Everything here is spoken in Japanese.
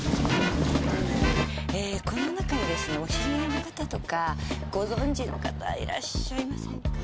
この中にですねお知り合いの方とかご存じの方いらっしゃいませんか？